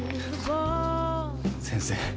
先生。